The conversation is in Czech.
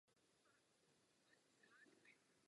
Jednotky se tak přiblíží jednotkám druhé série.